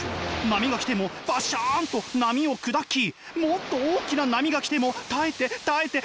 波が来てもばっしゃんと波を砕きもっと大きな波が来ても耐えて耐えて耐え続ける！